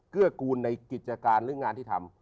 เกื้อกูลในกิจการหรืองานที่ทำ